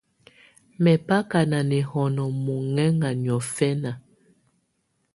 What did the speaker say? Mɛbaka nà nɛhɔnɔ mɔhɛŋa niɔ̀fɛna.